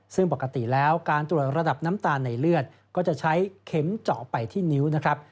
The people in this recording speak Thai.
ซึ่งปกติแล้วการตรวจระดับน้ำตาลในเลือดก็จะใช้เข็มเจาะไปที่นิ้วนะครับ